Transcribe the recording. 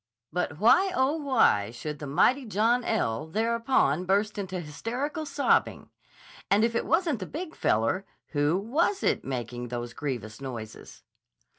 But why, oh, why, should the mighty John L. thereupon burst into hysterical sobbing? And if it wasn't the Big Feller, who was it making those grievous noises?